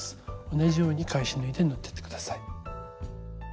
同じように返し縫いで縫ってって下さい。